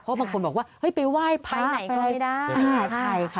เพราะบางคนบอกว่าไปไหว้พระไปไหนก็ได้